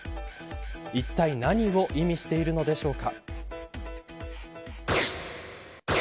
いったい何を意味しているのでしょうか。